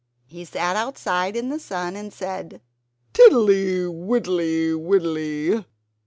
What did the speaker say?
He sat outside in the sun, and said "Tiddly, widdly, widdly!